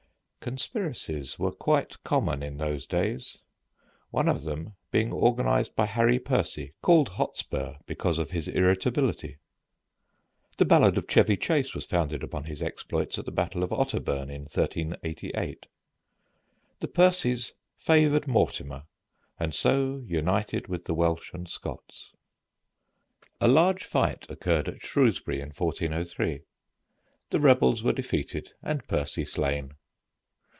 Conspiracies were quite common in those days, one of them being organized by Harry Percy, called "Hotspur" because of his irritability. The ballad of Chevy Chase was founded upon his exploits at the battle of Otterburn, in 1388. The Percys favored Mortimer, and so united with the Welsh and Scots. A large fight occurred at Shrewsbury in 1403. The rebels were defeated and Percy slain.